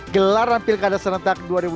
gelaran pilkada serentak dua ribu dua puluh